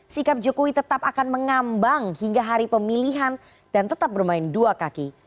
sikap jokowi tetap akan mengambang hingga hari pemilihan dan tetap bermain dua kaki